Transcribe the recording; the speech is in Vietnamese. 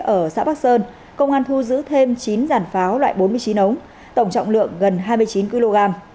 ở xã bắc sơn công an thu giữ thêm chín giản pháo loại bốn mươi chín ống tổng trọng lượng gần hai mươi chín kg